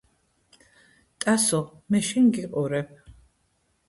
ტასო მე შენ გიყურებ